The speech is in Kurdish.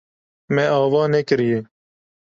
Me ava nekiriye.